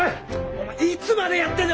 お前いつまでやってんだ！